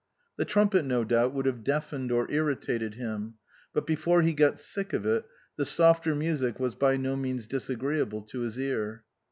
The trumpet, no doubt, would have deafened or irritated him ; but before he got sick of it, the softer music was by no means disagreeable to his ear.